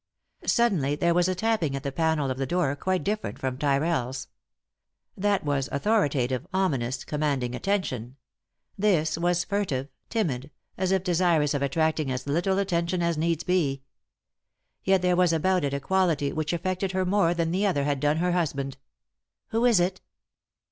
Suddenly there was a tapping at the panel of the door, quite different from Tyrrell's. That was author itative, ominous, commanding attention ; this was furtive, timid, as if desirous of attracting as little attention as needs be. Yet there was about it a quality which affected her more than the other had done her husband. "Who is it?"